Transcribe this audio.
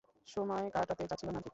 সময় কাটাতে চাচ্ছিলাম আর কি।